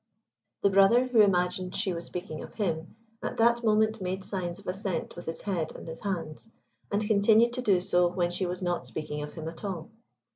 The brother, who imagined she was speaking of him, at that moment made signs of assent with his head and his hands, and continued to do so when she was not speaking of him at all.